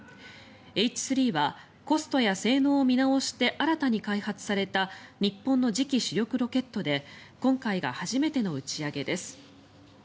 Ｈ３はコストや性能を見直して新たに開発された日本の次期主力ロケットで今回が初めての打ち上げです。